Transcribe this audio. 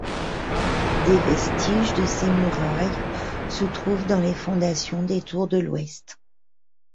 Des vestiges de ses murailles se trouvent dans les fondations des tours de l'ouest.